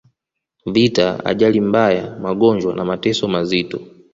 vita ajali mbaya magonjwa na mateso mazito